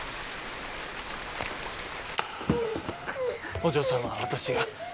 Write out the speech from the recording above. お嬢さんは私が